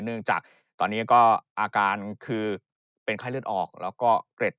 เนื่องจากตอนนี้ก็อาการคือเป็นไข้เลือดออกแล้วก็เกร็ด